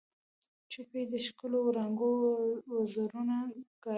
جوپې د ښکلو وړانګو وزرونه ګلابي